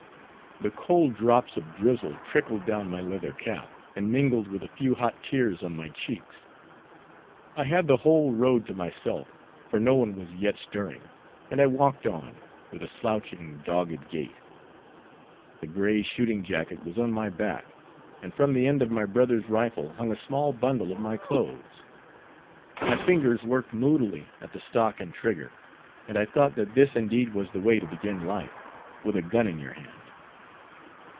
The cold drops of drizzle trickled down my leather cap, and mingled with a few hot tears on my cheeks. I had the whole road to myself, for no one was yet stirring, and I walked on, with a slouching, dogged gait. The gray shooting jacket was on my back, and from the end of my brother's rifle hung a small bundle of my clothes. My fingers worked moodily at the stock and trigger, and I thought that this indeed was the way to begin life, with a gun in your hand!